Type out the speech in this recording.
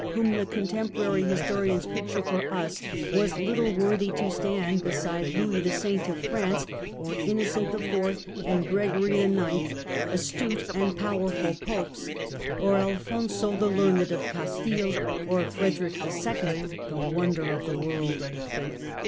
whom the contemporary historians picture for us was little worthy to stand beside Louis the Saint of France, or Innocent IV. and Gregory IX., astute and powerful popes, or Al fonso the Learned of Castile, or Frederick II., the * wonder of the world